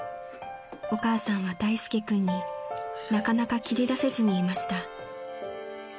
［お母さんは大介君になかなか切り出せずにいました］